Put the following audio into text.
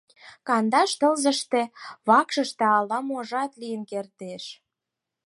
Кандаш тылзыште вакшыште ала-можат лийын кертеш.